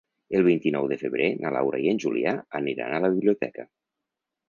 El vint-i-nou de febrer na Laura i en Julià aniran a la biblioteca.